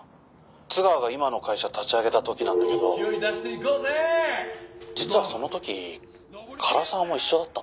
「津川が今の会社立ち上げた時なんだけど実はその時唐沢も一緒だったんだよ」